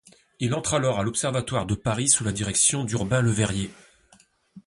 Il entre alors à l’Observatoire de Paris sous la direction d’Urbain Le Verrier.